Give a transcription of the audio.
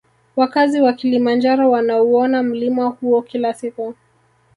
Wakazi wa kilimanjaro wanauona mlima huo kila siku